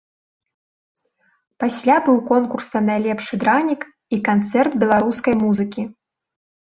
Пасля быў конкурс на найлепшы дранік і канцэрт беларускай музыкі.